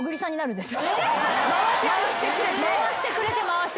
回してくれて回してくれて。